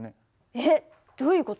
えっどういう事？